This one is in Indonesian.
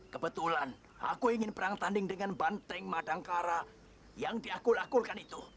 kebetulan aku ingin perang tanding dengan banteng madangkara yang diakul akulkan itu